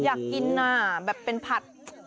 อยากกินน่ะแบบเป็นผัด